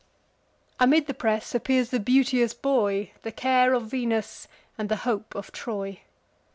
Amid the press appears the beauteous boy, The care of Venus, and the hope of Troy.